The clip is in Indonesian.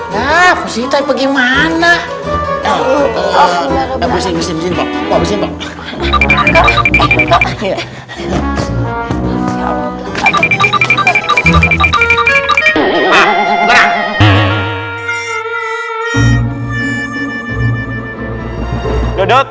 nah peserta gimana